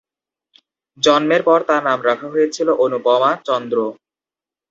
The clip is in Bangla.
জন্মের পর তাঁর নাম রাখা হয়েছিল "অনুপমা চন্দ্র"।